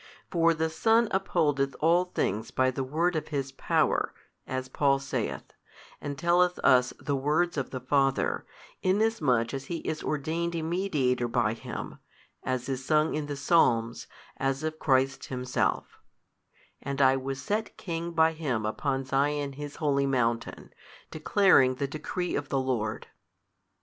For the Son upholdeth all things by the word of His Power, as Paul saith, and telleth us the words of the Father, inasmuch as He is ordained a Mediator by Him, as is sung in the Psalms, as of Christ Himself, And I was set King by Him upon Sion His holy Mountain, declaring the decree of the Lord.